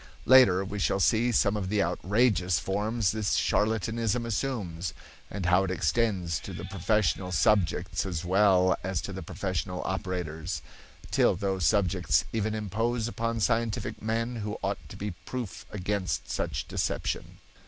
Later we shall see some of the outrageous forms this charlatanism assumes, and how it extends to the professional subjects as well as to the professional operators, till those subjects even impose upon scientific men who ought to be proof against such deception.